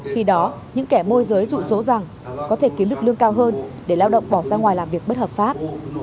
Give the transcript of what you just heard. khi đó những kẻ môi giới rụ rỗ rằng có thể kiếm được lương cao hơn để lao động bỏ ra ngoài làm việc bất hợp pháp